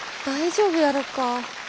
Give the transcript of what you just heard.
大丈夫やろか。